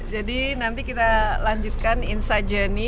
jadi nanti kita lanjutkan insajourney